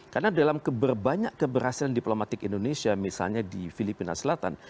karena dalam keberbanyak keberhasilan diplomatik indonesia misalnya di filipina selatan